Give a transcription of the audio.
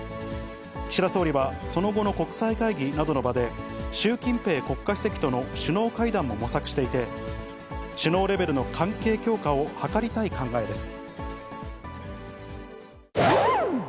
岸田総理はその後の国際会議などの場で、習近平国家主席との首脳会談も模索していて、首脳レベルの関係強化を図りたい考えです。